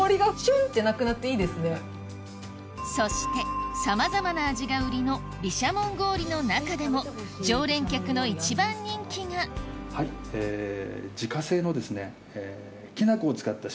そしてさまざまな味が売りの毘沙門氷の中でも常連客の一番人気がえっ！